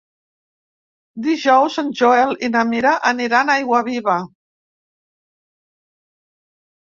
Dijous en Joel i na Mira aniran a Aiguaviva.